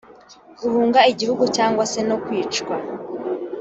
guhunga igihugu cyangwa se no kwicwa